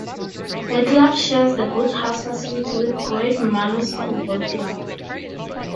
The club shares the boathouse facility with Great Marlow School Boat Club.